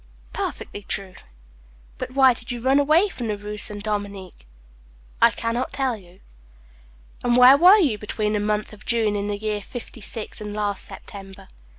"Perfectly true." "But why did you run away from the Rue St. Dominique?" "I can not tell you." "And where were you between the month of June in the year fifty six and last September?"